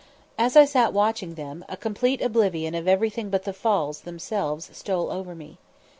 As I sat watching them, a complete oblivion of everything but the falls themselves stole over me.